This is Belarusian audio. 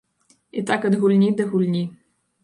І так ад гульні да гульні.